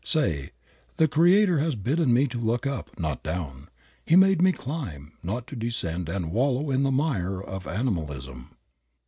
Say, "The Creator has bidden me look up, not down. He made me to climb, not to descend and wallow in the mire of animalism."